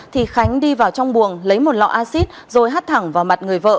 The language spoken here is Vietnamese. thì khánh đi vào trong buồng lấy một lọ acid rồi hắt thẳng vào mặt người vợ